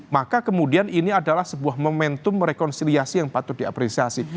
maka kemudian ini adalah sebuah momentum rekonsiliasi yang patut diapresiasi